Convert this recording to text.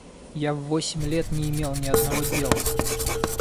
Я в восемь лет не имел ни одного дела.